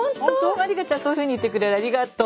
茉莉花ちゃんそういうふうに言ってくれるありがとう。